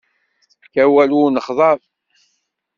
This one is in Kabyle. Tefka awal i unexḍab.